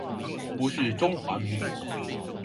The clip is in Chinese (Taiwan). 不是中華民國